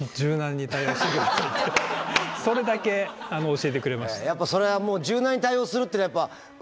それだけ教えてくれました。